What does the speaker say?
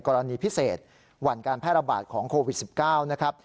กรณีพิเศษหวั่นการแพร่ระบาดของโควิด๑๙นะครับ